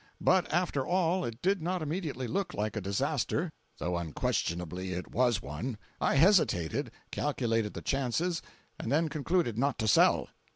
But after all it did not immediately look like a disaster, though unquestionably it was one I hesitated, calculated the chances, and then concluded not to sell.